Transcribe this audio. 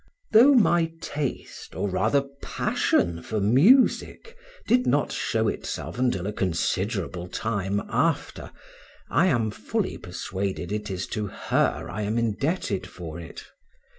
Though my taste, or rather passion, for music, did not show itself until a considerable time after, I am fully persuaded it is to her I am indebted for it.